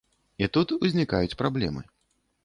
І тут узнікаюць праблемы.